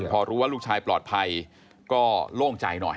พอรู้ว่าลูกชายปลอดภัยก็โล่งใจหน่อย